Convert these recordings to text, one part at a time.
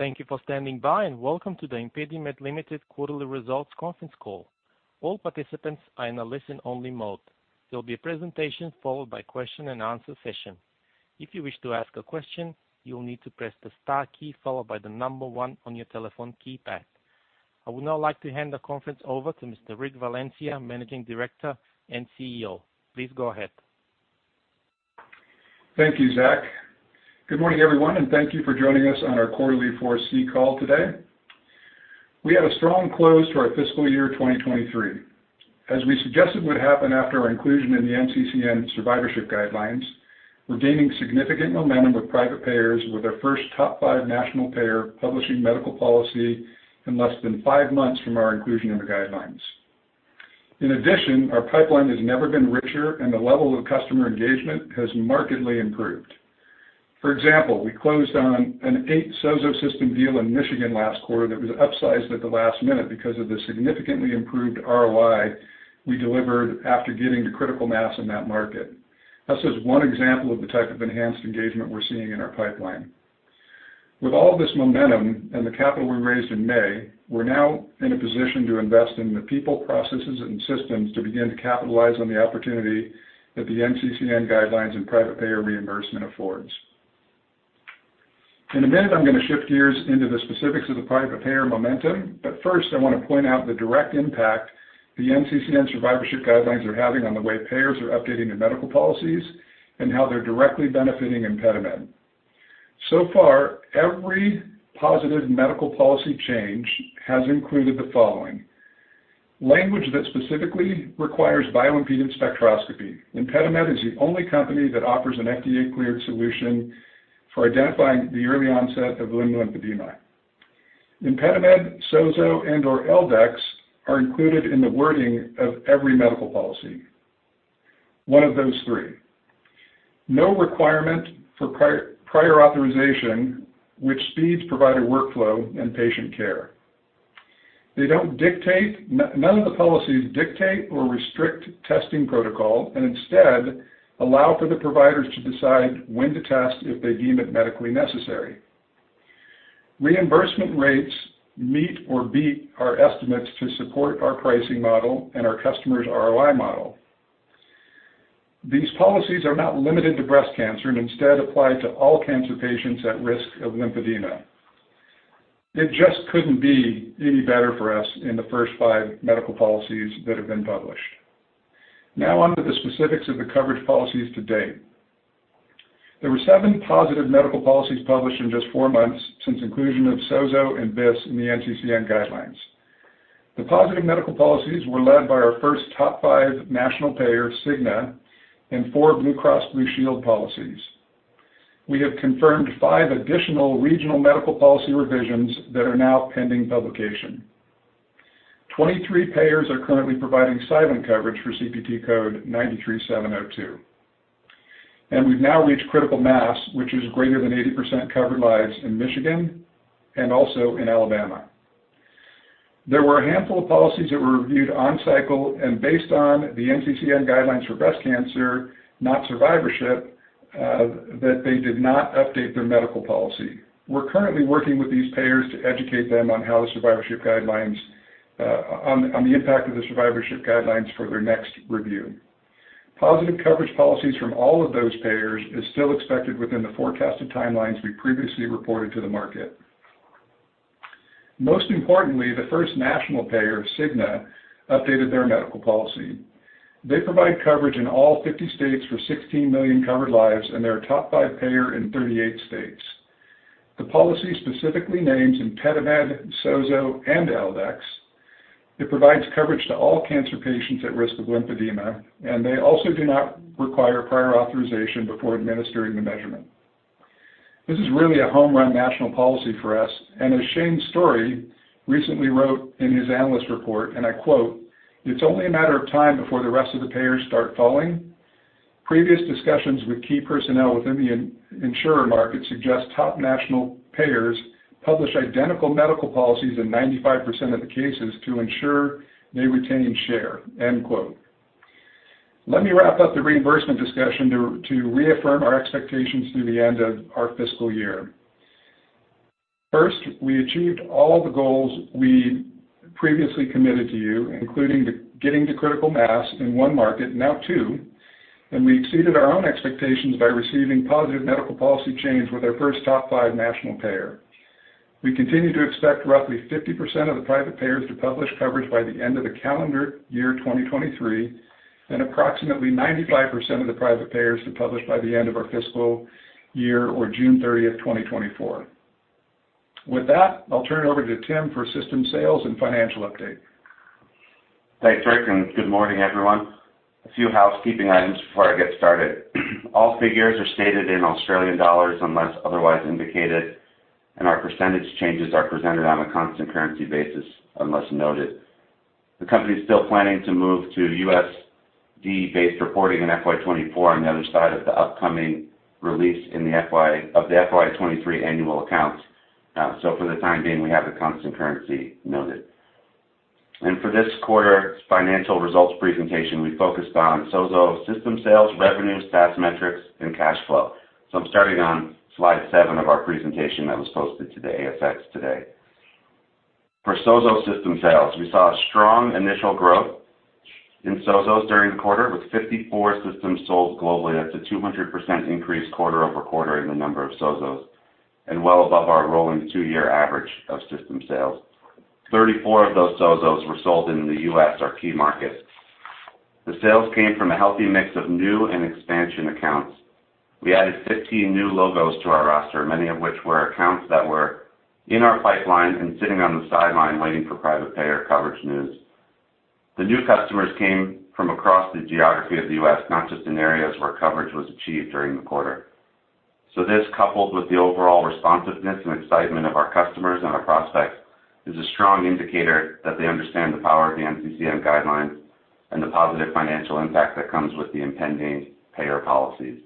Thank you for standing by, welcome to the ImpediMed Limited Quarterly Results Conference Call. All participants are in a listen-only mode. There will be a presentation followed by question and answer session. If you wish to ask a question, you will need to press the star key followed by the number one on your telephone keypad. I would now like to hand the conference over to Mr. Rick Valencia, Managing Director and CEO. Please go ahead. Thank you, Zach. Good morning, everyone, and thank you for joining us on our quarterly four C call today. We had a strong close to our fiscal year 2023. As we suggested would happen after our inclusion in the NCCN Survivorship Guidelines, we're gaining significant momentum with private payers, with our first top five national payer publishing medical policy in less than five months from our inclusion in the guidelines. In addition, our pipeline has never been richer, and the level of customer engagement has markedly improved. For example, we closed on an eight SOZO system deal in Michigan last quarter that was upsized at the last minute because of the significantly improved ROI we delivered after getting to critical mass in that market. This is one example of the type of enhanced engagement we're seeing in our pipeline. With all this momentum and the capital we raised in May, we're now in a position to invest in the people, processes, and systems to begin to capitalize on the opportunity that the NCCN Guidelines and private payer reimbursement affords. First, I want to point out the direct impact the NCCN Survivorship Guidelines are having on the way payers are updating their medical policies and how they're directly benefiting ImpediMed. So far, every positive medical policy change has included the following: language that specifically requires bioimpedance spectroscopy. ImpediMed is the only company that offers an FDA-cleared solution for identifying the early onset of lymphedema. ImpediMed, SOZO, and/or L-Dex are included in the wording of every medical policy. One of those three. No requirement for prior authorization, which speeds provider workflow and patient care. They don't dictate. None of the policies dictate or restrict testing protocol and instead allow for the providers to decide when to test if they deem it medically necessary. Reimbursement rates meet or beat our estimates to support our pricing model and our customers' ROI model. These policies are not limited to breast cancer and instead apply to all cancer patients at risk of lymphedema. It just couldn't be any better for us in the first 5 medical policies that have been published. On to the specifics of the coverage policies to date. There were seven positive medical policies published in just 4 months since inclusion of SOZO and BIS in the NCCN guidelines. The positive medical policies were led by our first top five national payer, Cigna, and four Blue Cross Blue Shield policies. We have confirmed five additional regional medical policy revisions that are now pending publication. 23 payers are currently providing silent coverage for CPT code 93702. We've now reached critical mass, which is greater than 80% covered lives in Michigan and also in Alabama. There were a handful of policies that were reviewed on cycle and based on the NCCN guidelines for breast cancer, not survivorship, that they did not update their medical policy. We're currently working with these payers to educate them on how the survivorship guidelines, on the impact of the survivorship guidelines for their next review. Positive coverage policies from all of those payers is still expected within the forecasted timelines we previously reported to the market. Most importantly, the first national payer, Cigna, updated their medical policy. They provide coverage in all 50 states for 16 million covered lives, and they're a top five payer in 38 states. The policy specifically names ImpediMed, SOZO, and L-Dex. It provides coverage to all cancer patients at risk of lymphedema, and they also do not require prior authorization before administering the measurement. This is really a home run national policy for us, and as Shane Storey recently wrote in his analyst report, and I quote, "It's only a matter of time before the rest of the payers start falling. Previous discussions with key personnel within the in-insurer market suggest top national payers publish identical medical policies in 95% of the cases to ensure they retain share." End quote. Let me wrap up the reimbursement discussion to reaffirm our expectations through the end of our fiscal year. First, we achieved all the goals we previously committed to you, including the getting to critical mass in one market, now two, and we exceeded our own expectations by receiving positive medical policy change with our first top five national payer. We continue to expect roughly 50% of the private payers to publish coverage by the end of the calendar year 2023, and approximately 95% of the private payers to publish by the end of our fiscal year or June 30th, 2024. With that, I'll turn it over to Tim for system sales and financial update. Thanks, Rick. Good morning, everyone. A few housekeeping items before I get started. All figures are stated in Australian dollars unless otherwise indicated. Our percentage changes are presented on a constant currency basis, unless noted. The company is still planning to move to USD-based reporting in FY 2024 on the other side of the upcoming release of the FY 2023 annual accounts. For the time being, we have the constant currency noted. For this quarter's financial results presentation, we focused on SOZO system sales, revenue, SaaS metrics, and cash flow. I'm starting on slide seven of our presentation that was posted to the ASX today. For SOZO system sales, we saw a strong initial growth in SOZOs during the quarter, with 54 systems sold globally. That's a 200% increase quarter-over-quarter in the number of SOZOs, and well above our rolling two-year average of system sales. 34 of those SOZOs were sold in the US, our key market. The sales came from a healthy mix of new and expansion accounts. We added 15 new logos to our roster, many of which were accounts that were in our pipeline and sitting on the sideline waiting for private payer coverage news. The new customers came from across the geography of the US, not just in areas where coverage was achieved during the quarter. This, coupled with the overall responsiveness and excitement of our customers and our prospects, is a strong indicator that they understand the power of the NCCN guidelines and the positive financial impact that comes with the impending payer policies.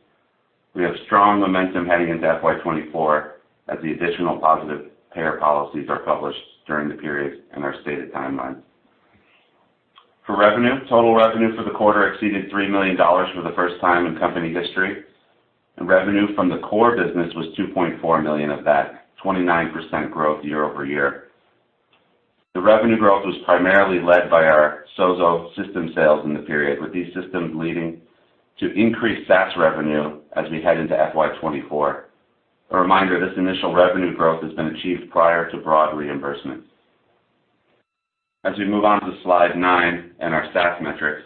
We have strong momentum heading into FY 2024 as the additional positive payer policies are published during the period in our stated timelines. For revenue, total revenue for the quarter exceeded $3 million for the first time in company history. Revenue from the core business was $2.4 million of that, 29% growth year-over-year. The revenue growth was primarily led by our SOZO system sales in the period, with these systems leading to increased SaaS revenue as we head into FY 2024. A reminder, this initial revenue growth has been achieved prior to broad reimbursement. We move on to slide 9 and our SaaS metrics,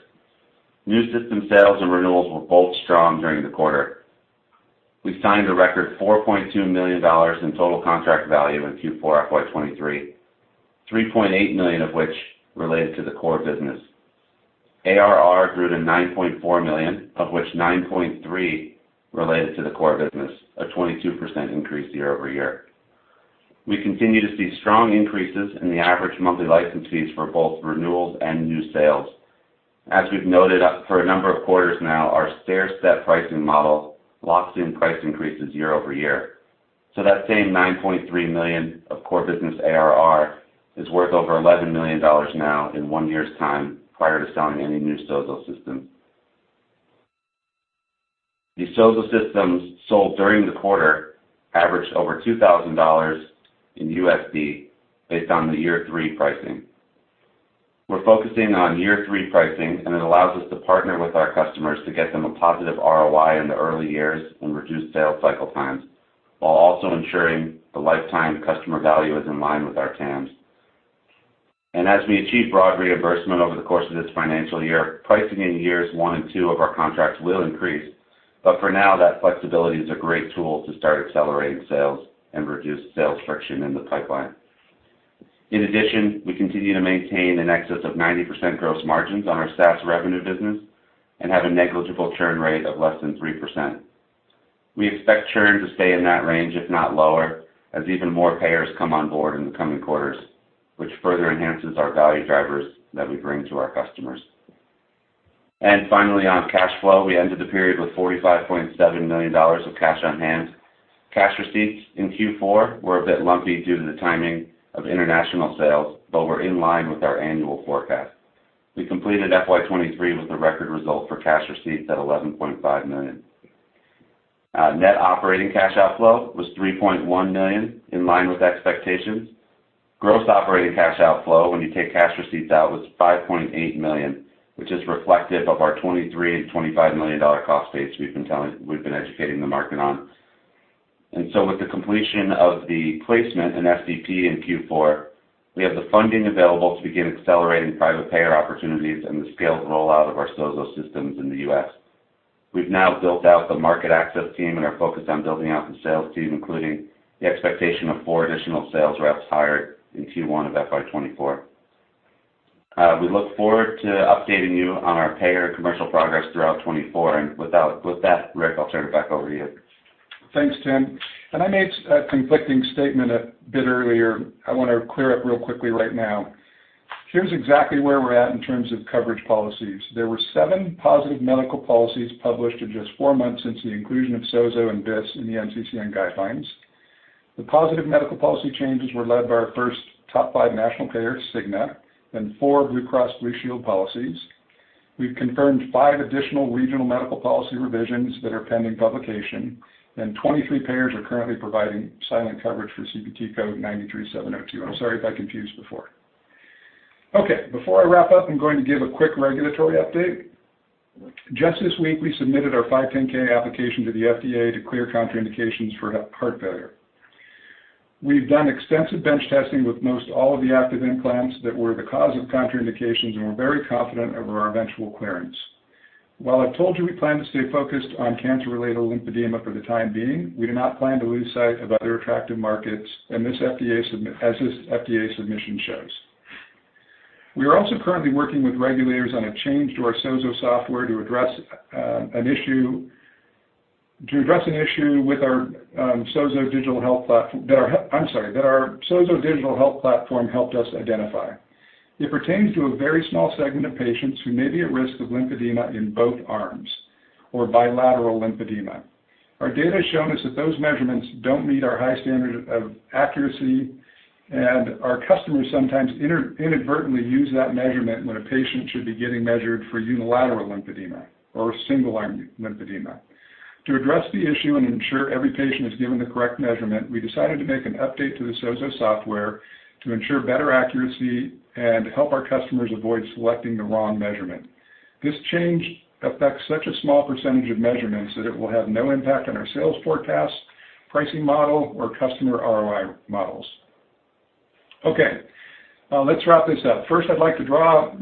new system sales and renewals were both strong during the quarter. We signed a record $4.2 million in total contract value in Q4 FY 2023, $3.8 million of which related to the core business. ARR grew to $9.4 million, of which $9.3 million related to the core business, a 22% increase year-over-year. We continue to see strong increases in the average monthly license fees for both renewals and new sales. As we've noted, for a number of quarters now, our stair-step pricing model locks in price increases year-over-year. That same $9.3 million of core business ARR is worth over $11 million now in one year's time, prior to selling any new SOZO systems. The SOZO systems sold during the quarter averaged over $2,000 in USD based on the year-three pricing. We're focusing on year three pricing, it allows us to partner with our customers to get them a positive ROI in the early years and reduce sales cycle times, while also ensuring the lifetime customer value is in line with our TAMs. As we achieve broad reimbursement over the course of this financial year, pricing in years one and two of our contracts will increase. For now, that flexibility is a great tool to start accelerating sales and reduce sales friction in the pipeline. In addition, we continue to maintain in excess of 90% gross margins on our SaaS revenue business and have a negligible churn rate of less than 3%. We expect churn to stay in that range, if not lower, as even more payers come on board in the coming quarters, which further enhances our value drivers that we bring to our customers. Finally, on cash flow, we ended the period with $45.7 million of cash on hand. Cash receipts in Q4 were a bit lumpy due to the timing of international sales, but were in line with our annual forecast. We completed FY 2023 with a record result for cash receipts at $11.5 million. Net operating cash outflow was $3.1 million, in line with expectations. Gross operating cash outflow, when you take cash receipts out, was $5.8 million, which is reflective of our $23 million and $25 million cost base we've been educating the market on. With the completion of the placement in SPP in Q4, we have the funding available to begin accelerating private payer opportunities and the scaled rollout of our SOZO systems in the US. We've now built out the market access team and are focused on building out the sales team, including the expectation of four additional sales reps hired in Q1 of FY 2024. We look forward to updating you on our payer commercial progress throughout 2024. With that, Rick, I'll turn it back over to you. Thanks, Tim. I made a conflicting statement a bit earlier. I want to clear up real quickly right now. Here's exactly where we're at in terms of coverage policies. There were seven positive medical policies published in just four months since the inclusion of SOZO and BIS in the NCCN guidelines. The positive medical policy changes were led by our first top five national payer, Cigna, and four Blue Cross Blue Shield policies. We've confirmed five additional regional medical policy revisions that are pending publication, and 23 payers are currently providing silent coverage for CPT code 93702. I'm sorry if I confused before. Okay, before I wrap up, I'm going to give a quick regulatory update. Just this week, we submitted our 510K application to the FDA to clear contraindications for heart failure. We've done extensive bench testing with most all of the active implants that were the cause of contraindications, and we're very confident over our eventual clearance. While I've told you we plan to stay focused on cancer-related lymphedema for the time being, we do not plan to lose sight of other attractive markets, and as this FDA submission shows. We are also currently working with regulators on a change to our SOZO software to address an issue with our SOZO Digital Health Platform. I'm sorry, that our SOZO Digital Health Platform helped us identify. It pertains to a very small segment of patients who may be at risk of lymphedema in both arms, or bilateral lymphedema. Our data has shown us that those measurements don't meet our high standard of accuracy. Our customers sometimes inadvertently use that measurement when a patient should be getting measured for unilateral lymphedema or a single arm lymphedema. To address the issue and ensure every patient is given the correct measurement, we decided to make an update to the SOZO software to ensure better accuracy and help our customers avoid selecting the wrong measurement. This change affects such a small percentage of measurements that it will have no impact on our sales forecast, pricing model, or customer ROI models. Let's wrap this up. First, I'd like to draw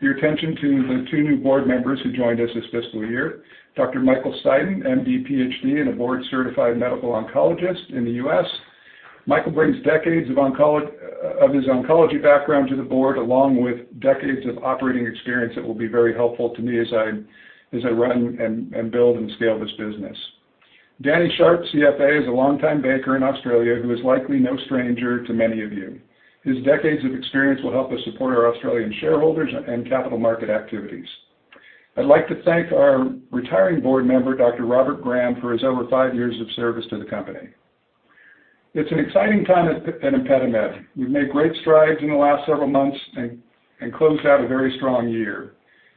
your attention to the two new board members who joined us this fiscal year, Dr. Michael Seiden, MD, PhD, and a board-certified medical oncologist in the U.S. Michael brings decades of his oncology background to the board, along with decades of operating experience that will be very helpful to me as I run and build and scale this business. Danny Sharp, C.F.A., is a longtime banker in Australia who is likely no stranger to many of you. His decades of experience will help us support our Australian shareholders and capital market activities. I'd like to thank our retiring board member, Dr. Robert Graham, for his over five years of service to the company. It's an exciting time at ImpediMed. We've made great strides in the last several months and closed out a very strong year.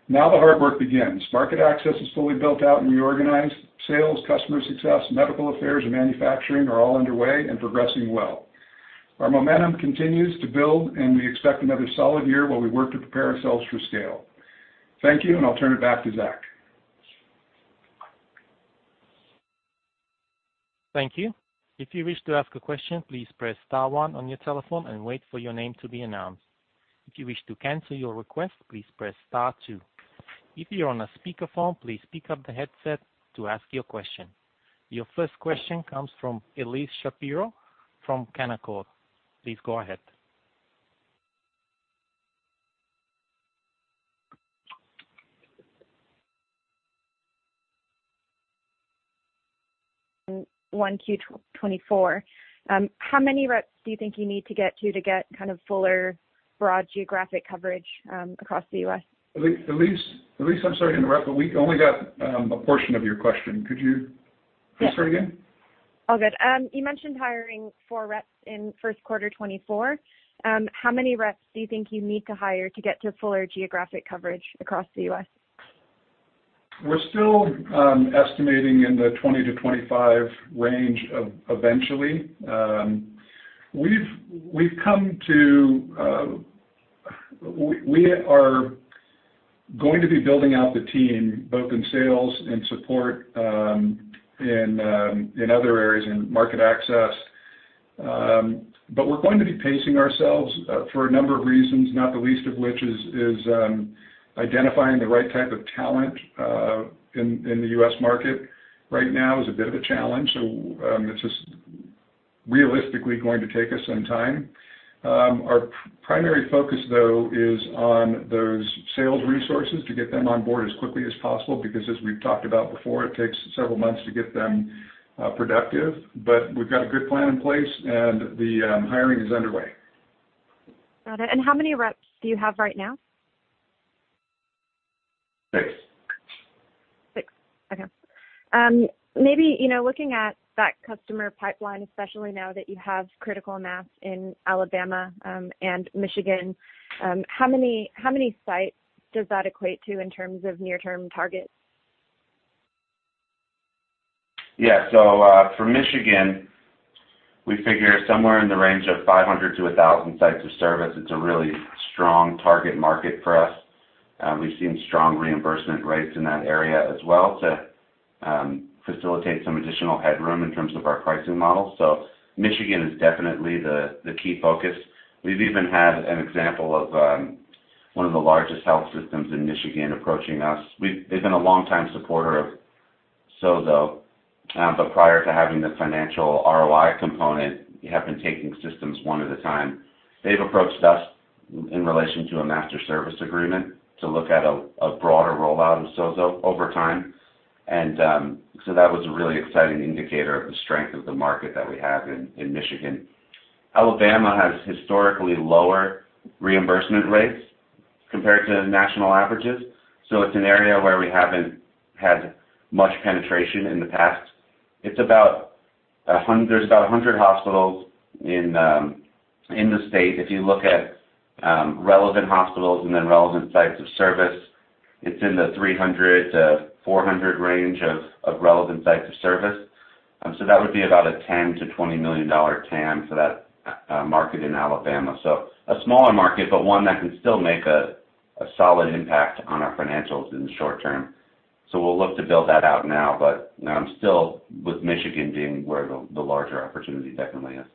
Now the hard work begins. Market access is fully built out and reorganized. Sales, customer success, medical affairs, and manufacturing are all underway and progressing well. Our momentum continues to build, and we expect another solid year while we work to prepare ourselves for scale. Thank you, and I'll turn it back to Zach. Thank you. If you wish to ask a question, please press star one on your telephone and wait for your name to be announced. If you wish to cancel your request, please press star two. If you're on a speakerphone, please pick up the headset to ask your question. Your first question comes from Elyse Shapiro from Canaccord. Please go ahead. In 1Q 2024, how many reps do you think you need to get to get kind of fuller, broad geographic coverage across the US? Elyse, I'm sorry to interrupt. We only got a portion of your question. Could you please start again? All good. You mentioned hiring four reps in Q1 2024. How many reps do you think you need to hire to get to fuller geographic coverage across the US? We're still estimating in the 20-25 range of eventually. We've come to. We are going to be building out the team, both in sales and support, and in other areas, in market access. We're going to be pacing ourselves for a number of reasons, not the least of which is identifying the right type of talent in the US market right now is a bit of a challenge. It's just realistically going to take us some time. Our primary focus, though, is on those sales resources to get them on board as quickly as possible, because as we've talked about before, it takes several months to get them productive. We've got a good plan in place, and the hiring is underway. Got it. How many reps do you have right now? Six. Six. Okay. maybe, you know, looking at that customer pipeline, especially now that you have critical mass in Alabama, and Michigan, how many sites does that equate to in terms of near-term targets? For Michigan, we figure somewhere in the range of 500-1,000 sites of service. It's a really strong target market for us. We've seen strong reimbursement rates in that area as well to facilitate some additional headroom in terms of our pricing model. Michigan is definitely the key focus. We've even had an example of one of the largest health systems in Michigan approaching us. They've been a long-time supporter of SOZO, but prior to having the financial ROI component, we have been taking systems one at a time. They've approached us in relation to a master service agreement to look at a broader rollout of SOZO over time, that was a really exciting indicator of the strength of the market that we have in Michigan. Alabama has historically lower reimbursement rates compared to national averages, it's an area where we haven't had much penetration in the past. There's about 100 hospitals in the state. If you look at relevant hospitals and then relevant sites of service, it's in the 300-400 range of relevant sites of service. That would be about a $10 million-$20 million TAM for that market in Alabama. A smaller market, but one that can still make a solid impact on our financials in the short term. We'll look to build that out now, but still with Michigan being where the larger opportunity definitely is.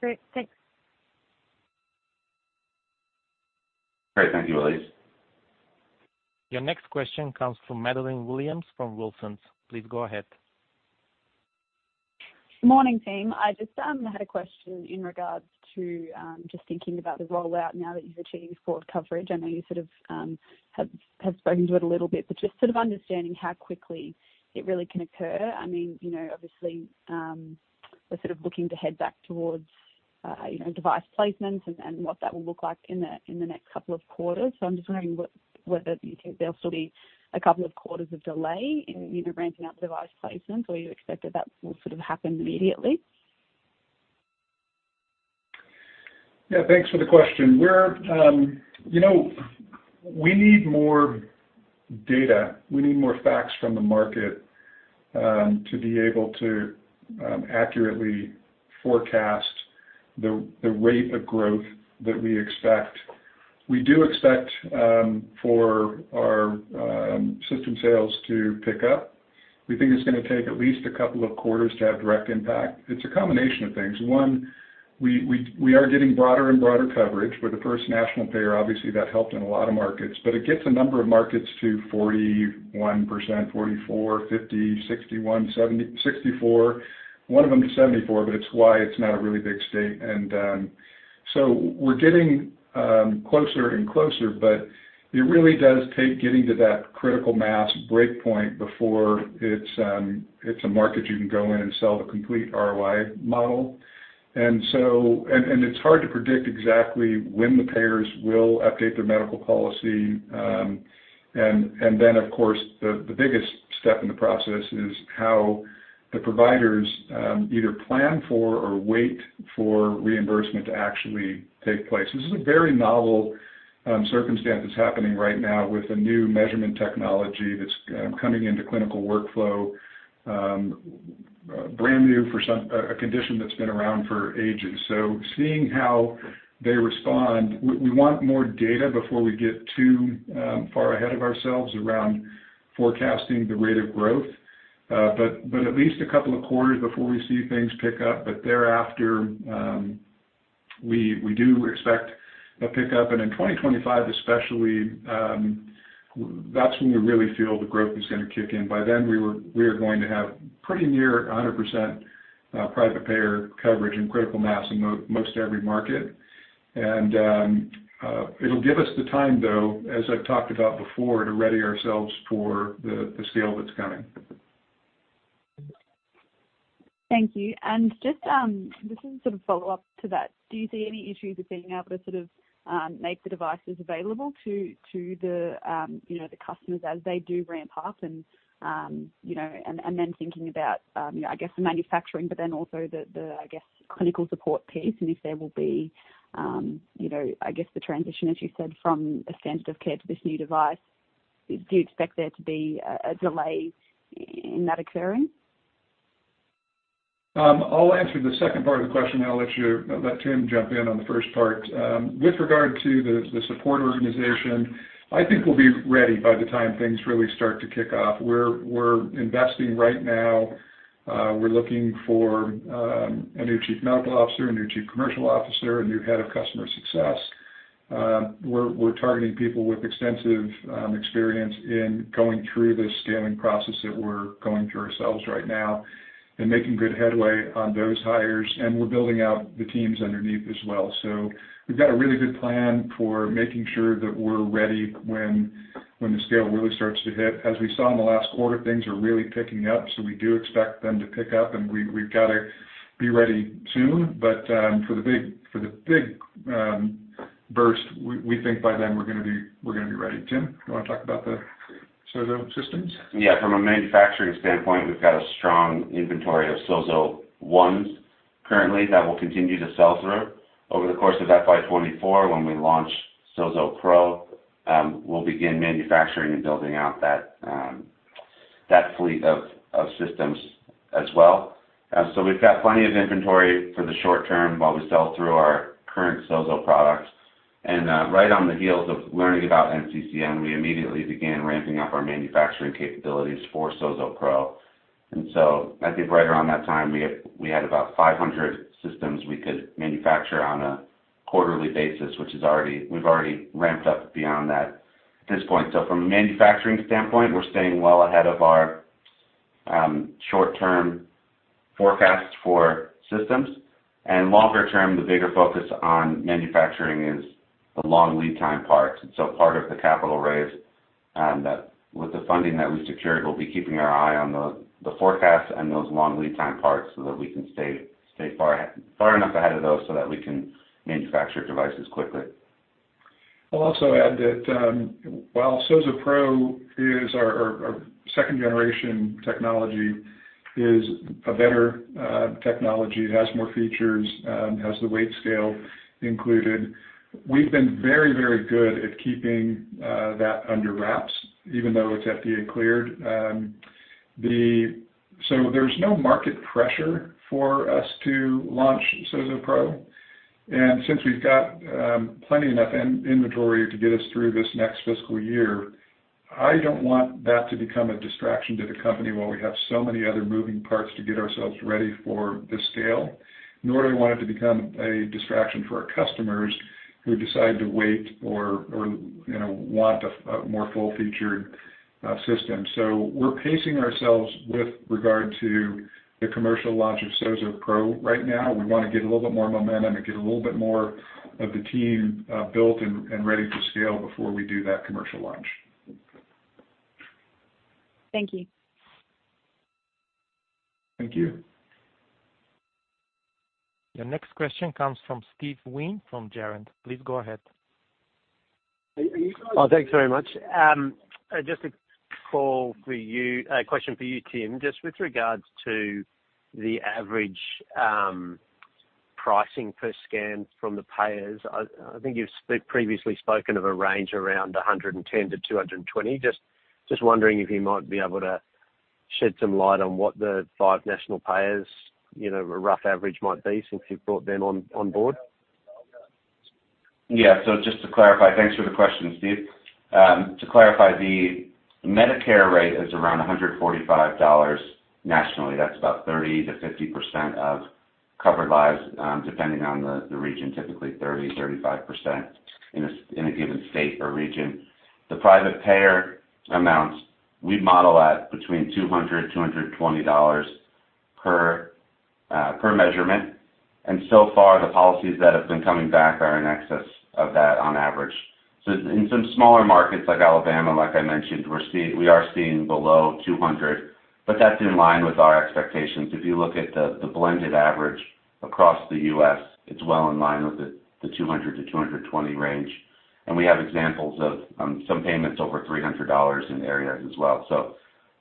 Great. Thanks. Great. Thank you, Elyse. Your next question comes from Madeleine Williams, from Wilsons. Please go ahead. Morning, team. I just had a question in regards to just thinking about the rollout now that you've achieved sport coverage. I know you sort of have spoken to it a little bit, but just sort of understanding how quickly it really can occur. I mean, you know, obviously, We're sort of looking to head back towards, you know, device placement and what that will look like in the next couple of quarters. I'm just wondering whether you think there'll still be a couple of quarters of delay in, you know, ramping up device placement, or you expect that that will sort of happen immediately? Yeah, thanks for the question. We're, you know, we need more data. We need more facts from the market to be able to accurately forecast the rate of growth that we expect. We do expect for our system sales to pick up. We think it's gonna take at least a couple of quarters to have direct impact. It's a combination of things. One, we are getting broader and broader coverage. We're the first national payer. Obviously, that helped in a lot of markets, but it gets a number of markets to 41%, 44, 50, 61, 64, one of them to 74, but it's why it's not a really big state. We're getting closer and closer, but it really does take getting to that critical mass breakpoint before it's a market you can go in and sell the complete ROI model. It's hard to predict exactly when the payers will update their medical policy. Then, of course, the biggest step in the process is how the providers either plan for or wait for reimbursement to actually take place. This is a very novel circumstance that's happening right now with a new measurement technology that's coming into clinical workflow, brand new for some, a condition that's been around for ages. Seeing how they respond, we want more data before we get too far ahead of ourselves around forecasting the rate of growth. At least a couple of quarters before we see things pick up, but thereafter, we do expect a pickup. In 2025, especially, that's when we really feel the growth is gonna kick in. By then, we are going to have pretty near 100% private payer coverage and critical mass in most every market. It'll give us the time, though, as I've talked about before, to ready ourselves for the scale that's coming. Thank you. Just, this is sort of a follow-up to that. Do you see any issues with being able to sort of, make the devices available to the, you know, the customers as they do ramp up? You know, and then thinking about, you know, I guess, the manufacturing, but then also the, I guess, clinical support piece, and if there will be, you know, I guess, the transition, as you said, from a standard of care to this new device. Do you expect there to be a delay in that occurring? I'll answer the second part of the question, and I'll let Tim jump in on the first part. With regard to the support organization, I think we'll be ready by the time things really start to kick off. We're investing right now. We're looking for a new chief medical officer, a new chief commercial officer, a new head of customer success. We're targeting people with extensive experience in going through this scaling process that we're going through ourselves right now and making good headway on those hires, and we're building out the teams underneath as well. We've got a really good plan for making sure that we're ready when the scale really starts to hit. As we saw in the last quarter, things are really picking up, so we do expect them to pick up and we've got to be ready soon. For the big burst, we think by then we're gonna be ready. Tim, you wanna talk about the SOZO systems? Yeah. From a manufacturing standpoint, we've got a strong inventory of SOZO ones currently that will continue to sell through. Over the course of FY 2024, when we launch SOZO Pro, we'll begin manufacturing and building out that fleet of systems as well. We've got plenty of inventory for the short term while we sell through our current SOZO products. Right on the heels of learning about NCCN, we immediately began ramping up our manufacturing capabilities for SOZO Pro. I think right around that time, we had about 500 systems we could manufacture on a quarterly basis, we've already ramped up beyond that at this point. From a manufacturing standpoint, we're staying well ahead of our short-term forecasts for systems. Longer term, the bigger focus on manufacturing is the long lead time parts. Part of the capital raise, that with the funding that we secured, we'll be keeping our eye on the forecast and those long lead time parts so that we can stay far enough ahead of those, so that we can manufacture devices quickly. I'll also add that, while SOZO Pro is our second-generation technology, is a better technology, it has more features, has the weight scale included. We've been very, very good at keeping that under wraps, even though it's FDA cleared. There's no market pressure for us to launch SOZO Pro. Since we've got plenty enough inventory to get us through this next fiscal year, I don't want that to become a distraction to the company while we have so many other moving parts to get ourselves ready for this scale. Nor do we want it to become a distraction for our customers who decide to wait or, you know, want a more full-featured system. We're pacing ourselves with regard to the commercial launch of SOZO Pro right now. We wanna get a little bit more momentum and get a little bit more of the team built and ready to scale before we do that commercial launch. Thank you. Thank you. Your next question comes from Steve Wheen from Jarden. Please go ahead. Are you guys- Oh, thanks very much. Just a call for you, a question for you, Tim. Just with regards to the average pricing per scan from the payers, I think you've previously spoken of a range around $110-$220. Just wondering if you might be able to shed some light on what the 5 national payers, you know, a rough average might be since you've brought them on board. Yeah. Just to clarify... Thanks for the question, Steve. To clarify, the Medicare rate is around $145 nationally. That's about 30%-50% of covered lives, depending on the region, typically 30%-35% in a given state or region. The private payer amounts, we model at between $200-$220 per measurement, and so far, the policies that have been coming back are in excess of that on average. In some smaller markets like Alabama, like I mentioned, we are seeing below $200, but that's in line with our expectations. If you look at the blended average across the U.S., it's well in line with the $200-$220 range. We have examples of some payments over 300 dollars in areas as well.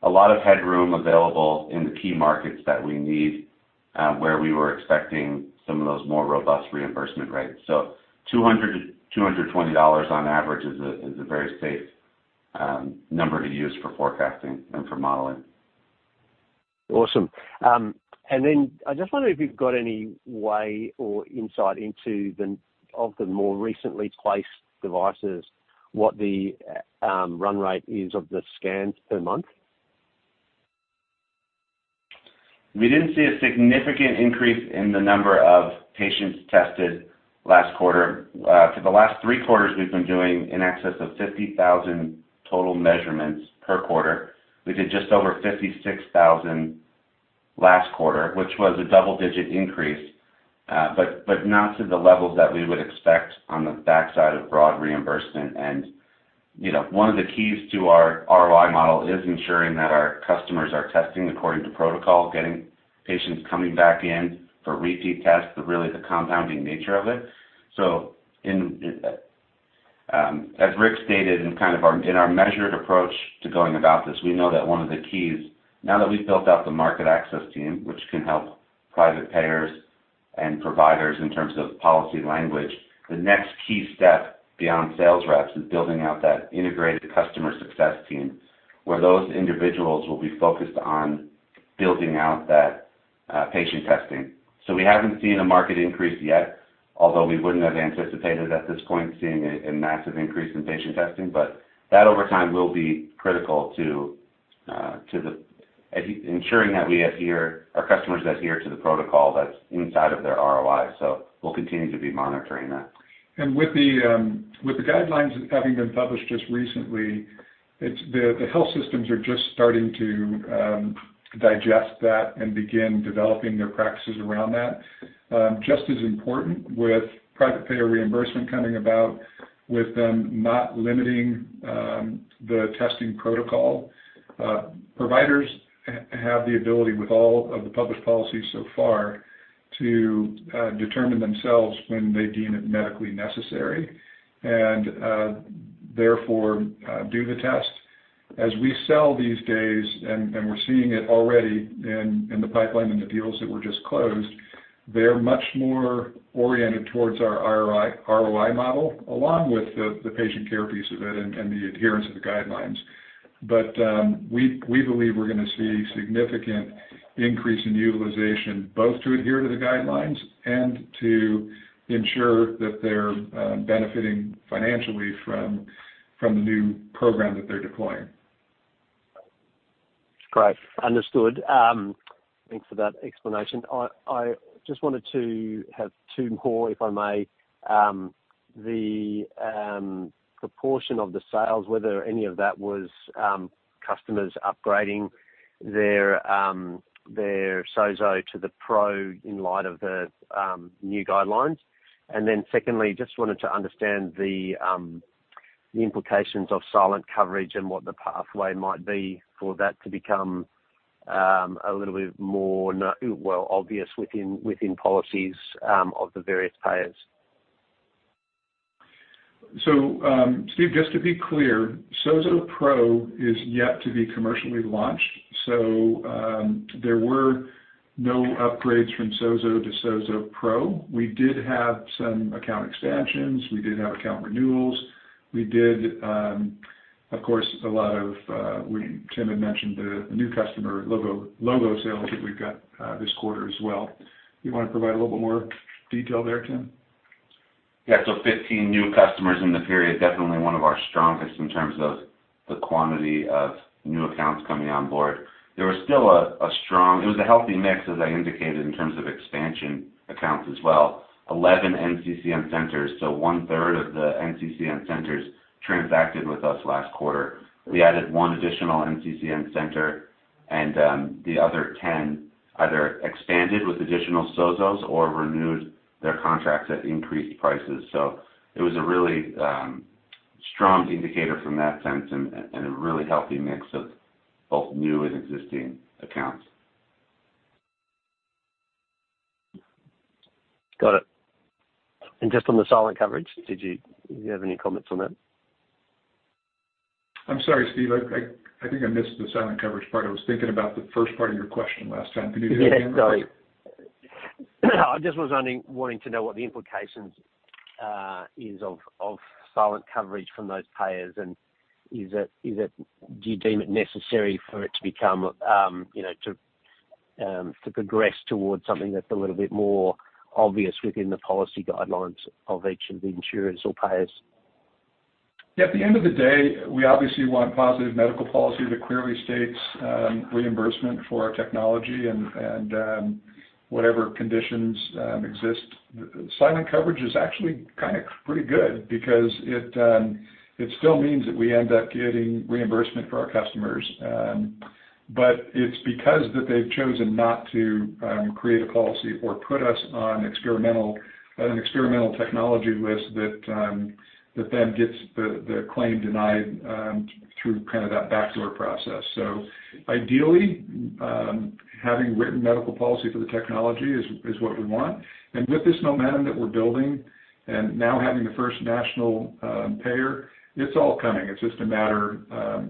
A lot of headroom available in the key markets that we need where we were expecting some of those more robust reimbursement rates. 200-220 dollars on average is a very safe number to use for forecasting and for modeling. Awesome. I just wonder if you've got any way or insight into the, of the more recently placed devices, what the run rate is of the scans per month? We didn't see a significant increase in the number of patients tested last quarter. For the last three quarters, we've been doing in excess of 50,000 total measurements per quarter. We did just over 56,000 last quarter, which was a double-digit increase, but not to the levels that we would expect on the backside of broad reimbursement. You know, one of the keys to our ROI model is ensuring that our customers are testing according to protocol, getting patients coming back in for repeat tests are really the compounding nature of it. So, as we have stated in our measured approach to going about this, we know that one of the keys, now that we've built out the market access team, which can help private payers and providers in terms of policy language, the next key step beyond sales reps is building out that integrated customer success team, where those individuals will be focused on building out that patient testing. We haven't seen a market increase yet, although we wouldn't have anticipated at this point, seeing a massive increase in patient testing. That over time will be critical to ensuring that our customers adhere to the protocol that's inside of their ROI. We'll continue to be monitoring that. With the with the guidelines having been published just recently, it's the health systems are just starting to digest that and begin developing their practices around that. Just as important, with private payer reimbursement coming about, with them not limiting the testing protocol, providers have the ability, with all of the published policies so far, to determine themselves when they deem it medically necessary, and therefore, do the test. As we sell these days, and we're seeing it already in the pipeline and the deals that were just closed, they're much more oriented towards our ROI model, along with the patient care piece of it and the adherence to the guidelines. We believe we're gonna see significant increase in utilization, both to adhere to the guidelines and to ensure that they're benefiting financially from the new program that they're deploying. Great. Understood. thanks for that explanation. I just wanted to have two more, if I may. the proportion of the sales, whether any of that was customers upgrading their their SOZO to the Pro in light of the new guidelines. Secondly, just wanted to understand the implications of silent coverage and what the pathway might be for that to become a little bit more well, obvious within policies of the various payers. Steve, just to be clear, SOZO Pro is yet to be commercially launched, so there were no upgrades from SOZO to SOZO Pro. We did have some account expansions. We did have account renewals. We did, of course, a lot of, Tim had mentioned the new customer logo sales that we've got this quarter as well. You wanna provide a little bit more detail there, Tim? Fifteen new customers in the period, definitely one of our strongest in terms of the quantity of new accounts coming on board. There was still a strong. It was a healthy mix, as I indicated, in terms of expansion accounts as well. 11 NCCN centers, one-third of the NCCN centers transacted with us last quarter. We added one additional NCCN center. The other 10 either expanded with additional SOZOs or renewed their contracts at increased prices. It was a really strong indicator from that sense and a really healthy mix of both new and existing accounts. Got it. Just on the silent coverage, did you have any comments on that? I'm sorry, Steve, I think I missed the silent coverage part. I was thinking about the first part of your question last time. Can you do that again? Sorry. I just was wondering, wanting to know what the implications is of silent coverage from those payers, and is it, do you deem it necessary for it to become, you know, to progress towards something that's a little bit more obvious within the policy guidelines of each of the insurers or payers? Yeah, at the end of the day, we obviously want positive medical policy that clearly states reimbursement for our technology and whatever conditions exist. Silent coverage is actually kind of pretty good because it still means that we end up getting reimbursement for our customers. It's because that they've chosen not to create a policy or put us on an experimental technology list that then gets the claim denied through kind of that backdoor process. Ideally, having written medical policy for the technology is what we want. With this momentum that we're building and now having the first national payer, it's all coming. It's just a matter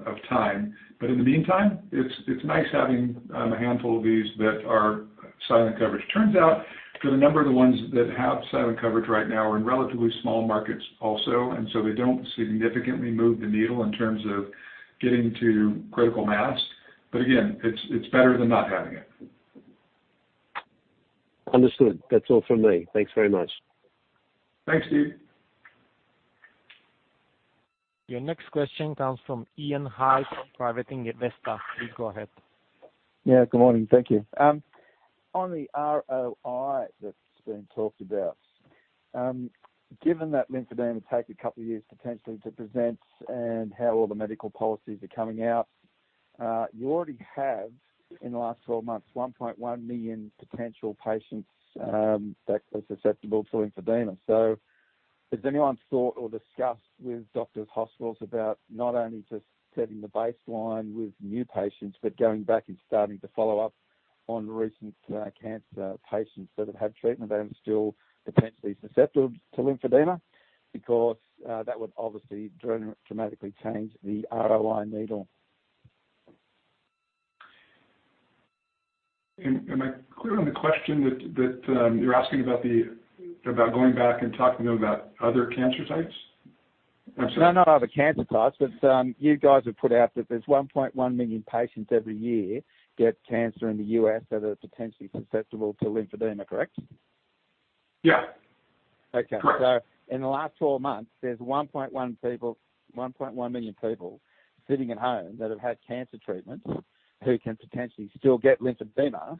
of time. In the meantime, it's nice having a handful of these that are silent coverage. Turns out that a number of the ones that have silent coverage right now are in relatively small markets also. They don't significantly move the needle in terms of getting to critical mass. Again, it's better than not having it. Understood. That's all from me. Thanks very much. Thanks, Steve. Your next question comes from Ian Hyfe, Private Investor. Please go ahead. Yeah, good morning. Thank you. On the ROI that's been talked about, given that lymphedema take a couple of years potentially to present and how all the medical policies are coming out, you already have, in the last 12 months, 1.1 million potential patients that are susceptible to lymphedema. Has anyone thought or discussed with doctors, hospitals about not only just setting the baseline with new patients, but going back and starting to follow up on recent cancer patients that have had treatment and still potentially susceptible to lymphedema? That would obviously dramatically change the ROI needle. Am I clear on the question that, you're asking about going back and talking about other cancer types? I'm sorry. Not other cancer types, but, you guys have put out that there's 1.1 million patients every year, get cancer in the US, that are potentially susceptible to lymphedema, correct? Yeah. Okay. Correct. In the last four months, there's 1.1 people, 1.1 million people sitting at home that have had cancer treatment, who can potentially still get lymphedema,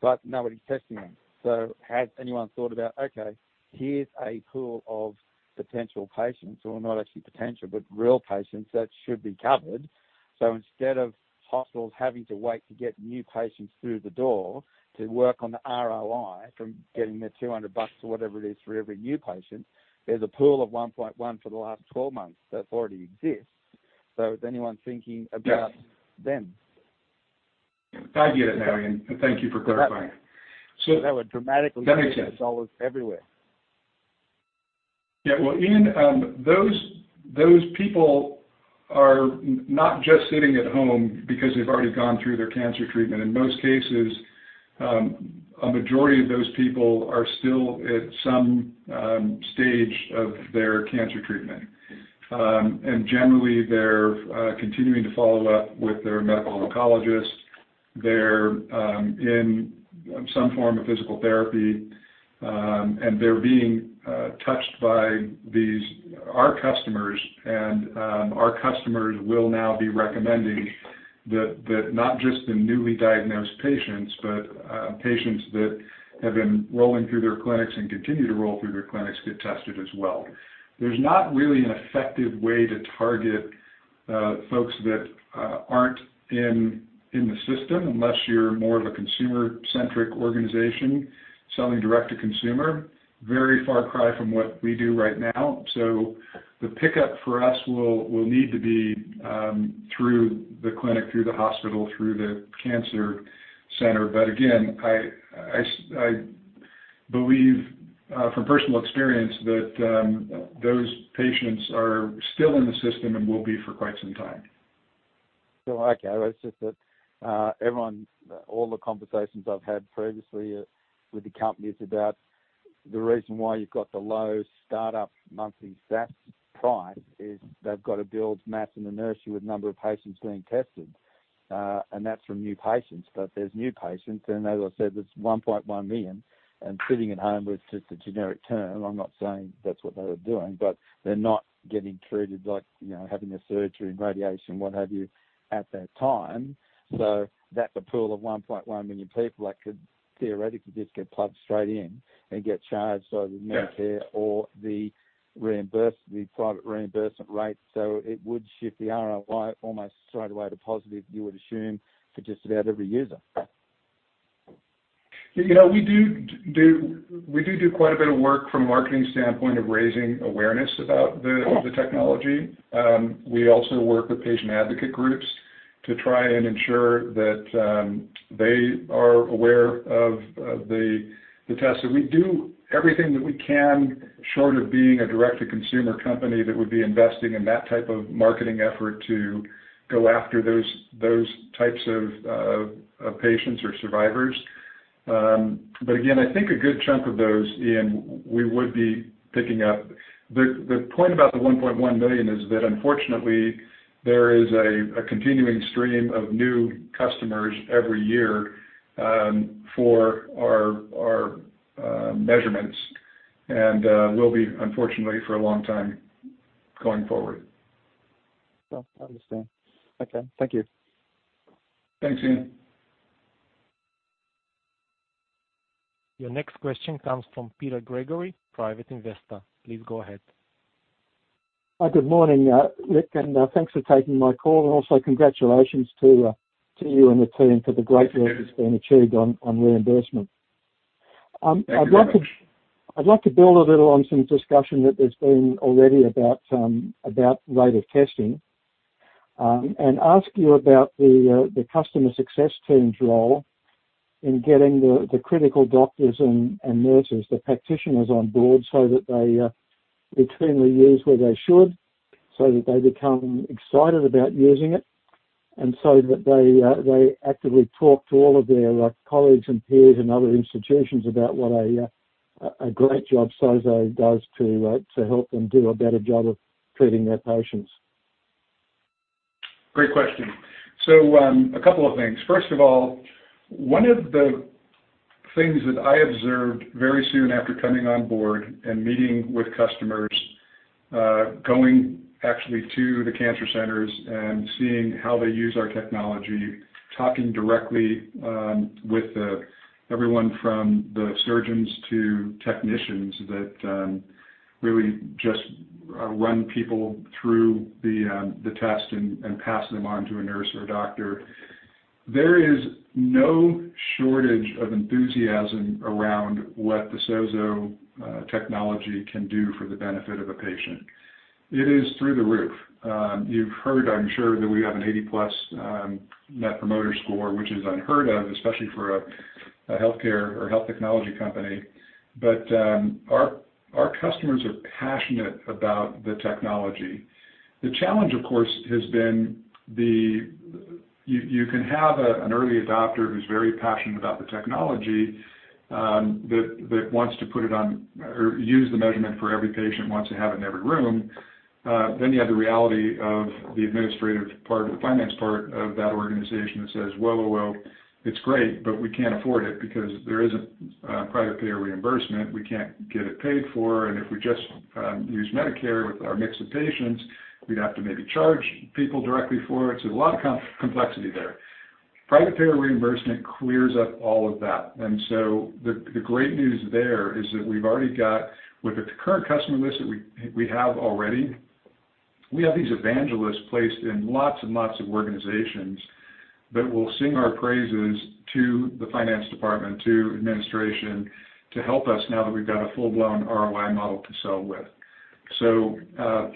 but nobody's testing them. Has anyone thought about, okay, here's a pool of potential patients, or not actually potential, but real patients that should be covered? Instead of hospitals having to wait to get new patients through the door to work on the ROI from getting their $200 or whatever it is for every new patient, there's a pool of 1.1 for the last 12 months that already exists. Is anyone thinking about- Yes. -them? I get it now, Ian, and thank you for clarifying. That would- Let me check. Everywhere. Yeah, well, Ian, those people are not just sitting at home because they've already gone through their cancer treatment. In most cases, a majority of those people are still at some stage of their cancer treatment. Generally, they're continuing to follow up with their medical oncologist. They're in some form of physical therapy, and they're being touched by these our customers, and our customers will now be recommending that not just the newly diagnosed patients, but patients that have been rolling through their clinics and continue to roll through their clinics, get tested as well. There's not really an effective way to target folks that aren't in the system, unless you're more of a consumer-centric organization selling direct to consumer. Very far cry from what we do right now. The pickup for us will need to be through the clinic, through the hospital, through the cancer center. But again, I believe, from personal experience that, those patients are still in the system and will be for quite some time. Okay, it's just that everyone, all the conversations I've had previously with the company, it's about the reason why you've got the low startup monthly stats price is they've got to build mass in the nursery with number of patients being tested, and that's from new patients. There's new patients, and as I said, there's 1.1 million, and sitting at home with just a generic term, I'm not saying that's what they were doing, but they're not getting treated like, you know, having a surgery, radiation, what have you, at that time. That's a pool of 1.1 million people that could theoretically just get plugged straight in and get charged by the Medicare. Yeah. -or the reimburse, the private reimbursement rate. It would shift the ROI almost straight away to positive, you would assume, for just about every user? You know, we do quite a bit of work from a marketing standpoint of raising awareness about the technology. We also work with patient advocate groups to try and ensure that they are aware of the test. We do everything that we can, short of being a direct-to-consumer company that would be investing in that type of marketing effort to go after those types of patients or survivors. Again, I think a good chunk of those, Ian, we would be picking up. The point about the 1.1 million is that unfortunately, there is a continuing stream of new customers every year for our measurements, and will be, unfortunately, for a long time going forward. Oh, I understand. Okay. Thank you. Thanks, Ian. Your next question comes from Peter Gregory, Private Investor. Please go ahead. Hi, good morning, Rick, and thanks for taking my call, and also congratulations to you and the team for the great work that's been achieved on reimbursement. Thank you very much. I'd like to build a little on some discussion that there's been already about rate of testing and ask you about the customer success team's role in getting the critical doctors and nurses, the practitioners on board so that they routinely use where they should, so that they become excited about using it, and so that they actively talk to all of their colleagues and peers in other institutions about what a great job SOZO does to help them do a better job of treating their patients. Great question. A couple of things. First of all, one of the things that I observed very soon after coming on board and meeting with customers, going actually to the cancer centers and seeing how they use our technology, talking directly with the, everyone from the surgeons to technicians that really just run people through the test and pass them on to a nurse or a doctor. There is no shortage of enthusiasm around what the SOZO technology can do for the benefit of a patient. It is through the roof. You've heard, I'm sure, that we have an 80-plus Net Promoter Score, which is unheard of, especially for a healthcare or health technology company. Our customers are passionate about the technology. The challenge, of course, has been the... You can have an early adopter who's very passionate about the technology, that wants to put it on or use the measurement for every patient, wants to have it in every room. You have the reality of the administrative part or the finance part of that organization that says, "Well, it's great, but we can't afford it because there isn't private payer reimbursement. We can't get it paid for, and if we just use Medicare with our mix of patients, we'd have to maybe charge people directly for it." A lot of complexity there. Private payer reimbursement clears up all of that. The great news there is that we've already got, with the current customer list that we have already, we have these evangelists placed in lots and lots of organizations that will sing our praises to the finance department, to administration to help us now that we've got a full-blown ROI model to sell with.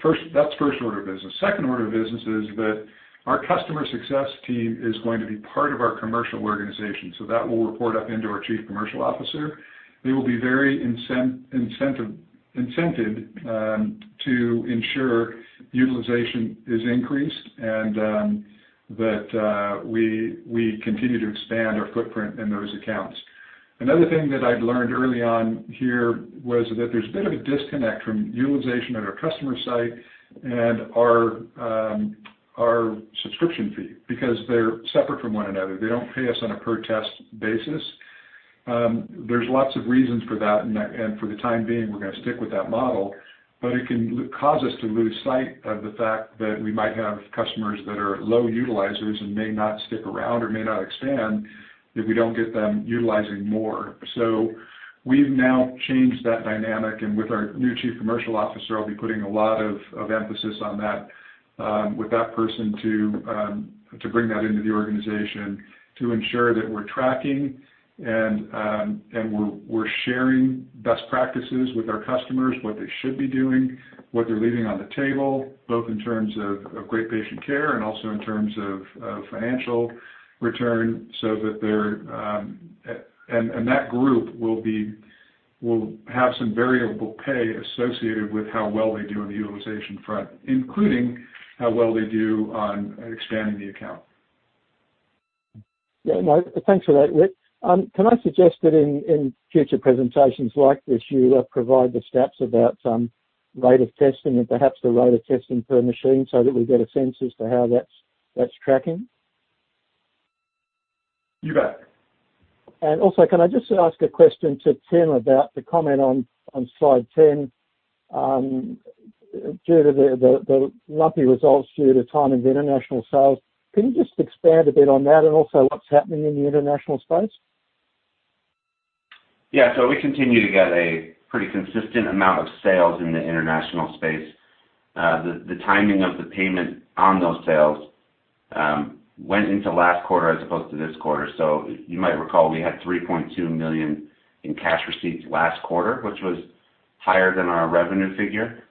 First, that's first order of business. Second order of business is that our customer success team is going to be part of our commercial organization, so that will report up into our chief commercial officer. They will be very incented to ensure utilization is increased and that we continue to expand our footprint in those accounts. Another thing that I'd learned early on here was that there's a bit of a disconnect from utilization at our customer site and our subscription fee, because they're separate from one another. They don't pay us on a per-test basis. There's lots of reasons for that, and for the time being, we're gonna stick with that model, but it can cause us to lose sight of the fact that we might have customers that are low utilizers and may not stick around or may not expand if we don't get them utilizing more. We've now changed that dynamic, and with our new chief commercial officer, I'll be putting a lot of emphasis on that, with that person to bring that into the organization, to ensure that we're tracking and, we're sharing best practices with our customers, what they should be doing, what they're leaving on the table, both in terms of great patient care and also in terms of financial return, so that they're. That group will have some variable pay associated with how well they do on the utilization front, including how well they do on expanding the account. Yeah, no, thanks for that, Rick. Can I suggest that in future presentations like this, you provide the stats about rate of testing and perhaps the rate of testing per machine so that we get a sense as to how that's tracking? You bet. And also, can I just ask a question to Tim about the comment on slide 10, due to the lumpy results due to the timing of international sales? Can you just expand a bit on that and also what's happening in the international space? Yeah, we continue to get a pretty consistent amount of sales in the international space. The timing of the payment on those sales went into last quarter as opposed to this quarter. You might recall we had $3.2 million in cash receipts last quarter, which was higher than our revenue figure.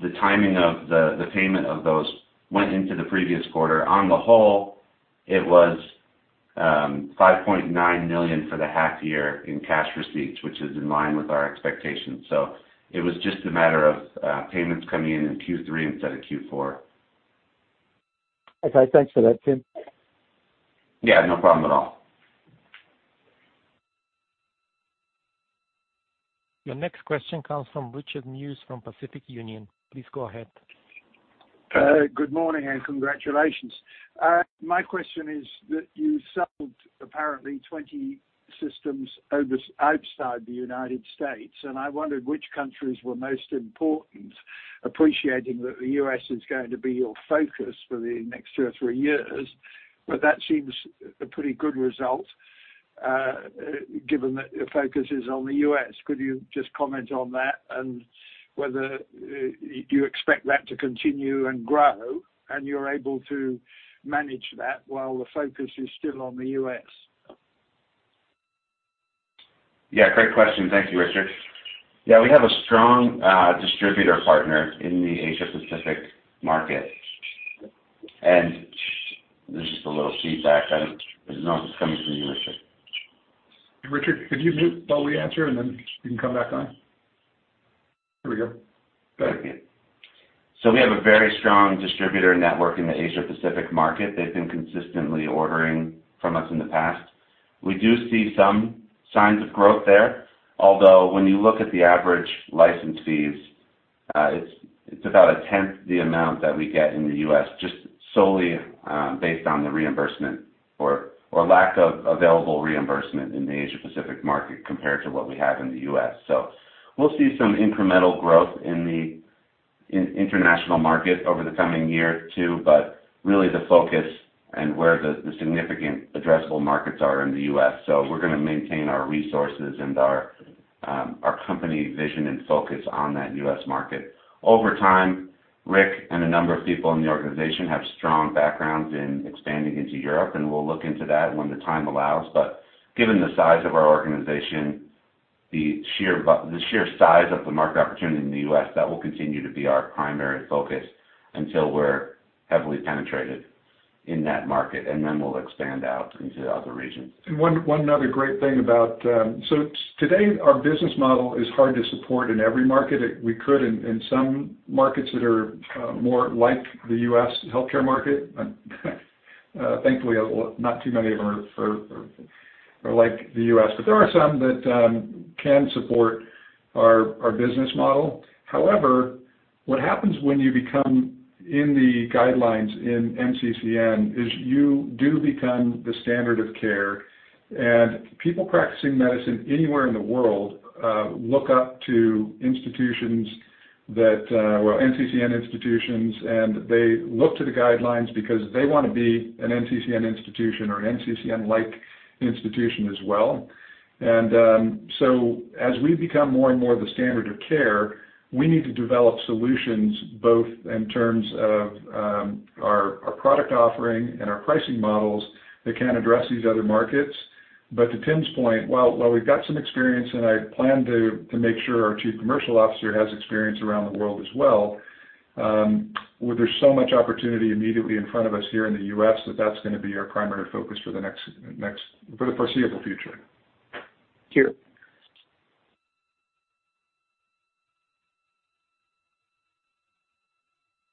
The timing of the payment of those went into the previous quarter. On the whole, it was $5.9 million for the half year in cash receipts, which is in line with our expectations. It was just a matter of payments coming in in Q3 instead of Q4. Okay, thanks for that, Tim. Yeah, no problem at all. Your next question comes from Richard Muse from Pacific Union. Please go ahead. Good morning, and congratulations. My question is that you sold apparently 20 systems outside the United States, and I wondered which countries were most important, appreciating that the US is going to be your focus for the next two or three years. That seems a pretty good result, given that your focus is on the US Could you just comment on that and whether you expect that to continue and grow, and you're able to manage that while the focus is still on the US? Yeah, great question. Thank you, Richard. Yeah, we have a strong distributor partner in the Asia Pacific market. There's just a little feedback. I don't know if it's coming from you, Richard. Richard, could you mute while we answer, and then you can come back on? There we go. Go ahead. We have a very strong distributor network in the Asia Pacific market. They've been consistently ordering from us in the past. We do see some signs of growth there, although when you look at the average license fees, it's about 1/10th the amount that we get in the US, just solely based on the reimbursement or lack of available reimbursement in the Asia Pacific market compared to what we have in the US. We'll see some incremental growth in the international market over the coming year or two but really the focus and where the significant addressable markets are in the US. We're going to maintain our resources and our company vision and focus on that US market. Over time, Rick and a number of people in the organization have strong backgrounds in expanding into Europe. We'll look into that when the time allows. Given the size of our organization, the sheer size of the market opportunity in the US, that will continue to be our primary focus until we're heavily penetrated in that market. Then we'll expand out into the other regions. One other great thing about. Today, our business model is hard to support in every market. We could in some markets that are more like the U.S. Healthcare Market, thankfully, not too many of them are like the US, but there are some that can support our business model. However, what happens when you become in the guidelines in NCCN, is you do become the standard of care, and people practicing medicine anywhere in the world, look up to institutions that, NCCN institutions, and they look to the guidelines because they want to be an NCCN institution or NCCN-like institution as well. As we become more and more the standard of care, we need to develop solutions, both in terms of, our product offering and our pricing models, that can address these other markets. To Tim's point, while we've got some experience, and I plan to make sure our chief commercial officer has experience around the world as well, well, there's so much opportunity immediately in front of us here in the US, that that's gonna be our primary focus for the next for the foreseeable future.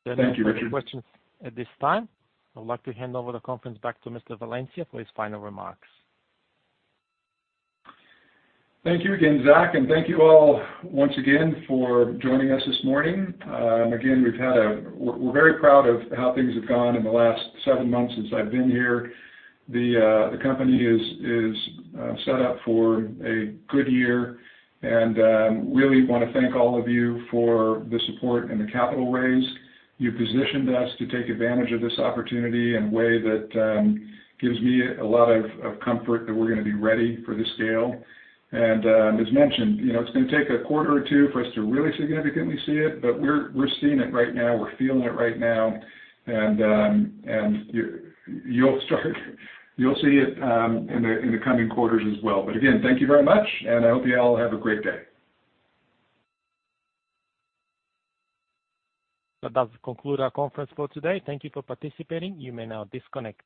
Thank you. Thank you, Richard. At this time, I'd like to hand over the conference back to Mr. Valencia for his final remarks. Thank you again, Zach. Thank you all once again for joining us this morning. Again, we're very proud of how things have gone in the last seven months since I've been here. The company is set up for a good year, and really want to thank all of you for the support and the capital raise. You positioned us to take advantage of this opportunity in a way that gives me a lot of comfort that we're gonna be ready for this scale. As mentioned, you know, it's gonna take a quarter or two for us to really significantly see it, but we're seeing it right now, we're feeling it right now, and you'll see it in the coming quarters as well. Again, thank you very much, and I hope you all have a great day. That does conclude our conference for today. Thank you for participating. You may now disconnect.